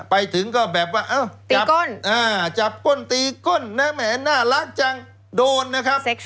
ไปถึงก็แบบว่าตีก้นจับก้นตีก้นนะแหมน่ารักจังโดนนะครับ